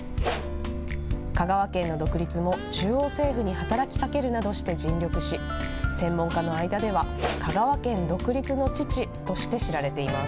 香川県の独立も中央政府に働きかけるなどして尽力し、専門家の間では、香川県独立の父として知られています。